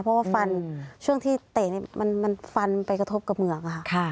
เพราะว่าฟันช่วงที่เตะมันฟันไปกระทบกับเหมือกค่ะ